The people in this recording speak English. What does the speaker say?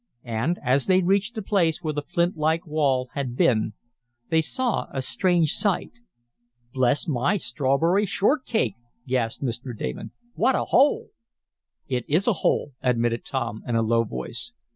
And, as they reached the place where the flint like wall had been, they saw a strange sight. "Bless my strawberry short cake!" gasped Mr. Damon. "What a hole!" "It is a hole," admitted Tom, in a low voice.